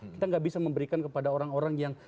kita nggak bisa memberikan kepada orang orang yang